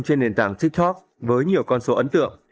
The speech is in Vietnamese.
trên nền tảng tiktok với nhiều con số ấn tượng